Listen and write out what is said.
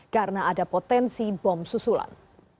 karena ada potensi bom susulan